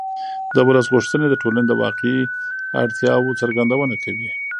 د ولس غوښتنې د ټولنې د واقعي اړتیاوو څرګندونه کوي